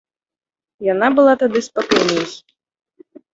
Яна была тады спакайней.